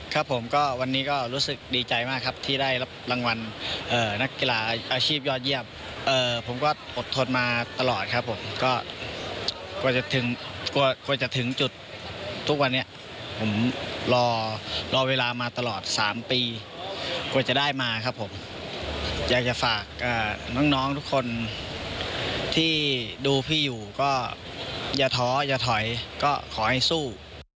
ครับผมก็วันนี้ก็รู้สึกดีใจมากครับที่ได้รับรางวัลนักกีฬาอาชีพยอดเยี่ยมผมก็อดทนมาตลอดครับผมก็กว่าจะถึงกลัวจะถึงจุดทุกวันนี้ผมรอรอเวลามาตลอด๓ปีกว่าจะได้มาครับผมอยากจะฝากน้องทุกคนที่ดูพี่อยู่ก็อย่าท้ออย่าถอยก็ขอให้สู้